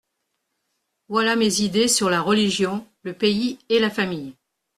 Voilà mes idées sur la religion, le pays et la famille.